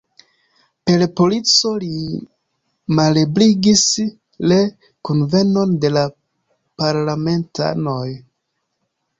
Per polico li malebligis re-kunvenon de la parlamentanoj.